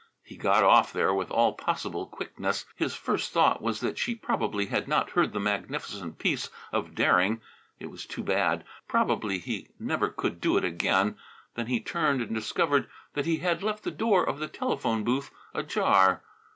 He got off there with all possible quickness. His first thought was that she probably had not heard the magnificent piece of daring. It was too bad. Probably he never could do it again. Then he turned and discovered that he had left the door of the telephone booth ajar.